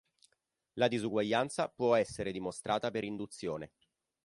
La disuguaglianza può essere dimostrata per induzione.